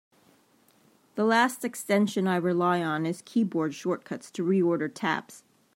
The last extension I rely on is Keyboard Shortcuts to Reorder Tabs.